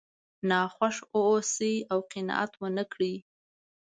ناخوښ واوسئ او قناعت ونه کړئ.